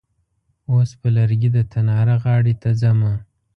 اوس په لرګي د تناره غاړې ته ځمه.